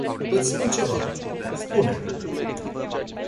Iti spun ceva. Spune.